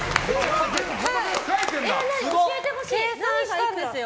計算したんですよ。